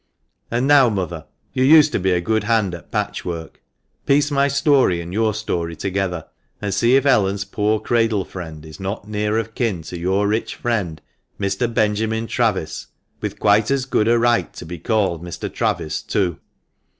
" And now, mother, you used to be a good hand at patchwork — piece my story and your story together, and see if Ellen's poor cradle friend is not near of kin to your rich friend, Mr. Benjamin Travis, with quite as good a right to be called Mr. Travis too.